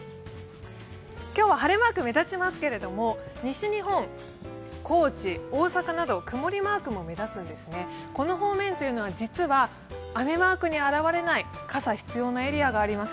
今日は晴れマーク目立ちますけど、西日本、高知、大阪などくもりマークも目立つんですね、この方面は実は雨マークに現れない傘、必要なエリアがあります。